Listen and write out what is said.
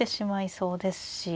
そうです。